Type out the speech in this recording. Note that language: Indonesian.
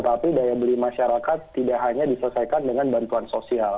tapi daya beli masyarakat tidak hanya diselesaikan dengan bantuan sosial